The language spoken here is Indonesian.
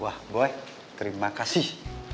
wah boy terima kasih